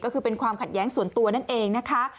ก็คือเป็นความขัดแย้งส่วนตัวนั่นเองนะคะ